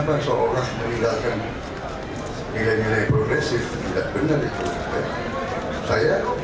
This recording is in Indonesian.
mengingatkan nilai nilai progresif tidak benar itu